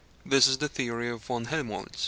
This is the theory of Von Helmholtz.